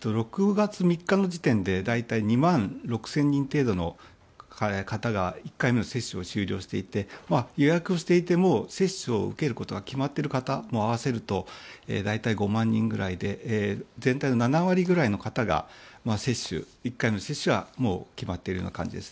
６月３日の時点で大体、２万６０００人程度の方が１回目の接種を終了していて、予約していても接種を受けることが決まっている方も合わせると大体５万人ぐらいで全体の７割くらいの方が１回目の接種がもう決まっているような感じです。